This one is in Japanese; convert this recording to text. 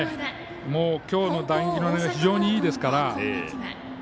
きょうの打撃は非常にいいですから。